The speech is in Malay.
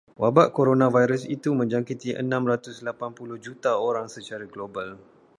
Wabak koronavirus itu menjangkiti enam ratus lapan puluh juta orang secara global.